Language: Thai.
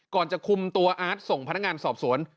จะคุมตัวอาร์ตส่งพนักงานสอบสวน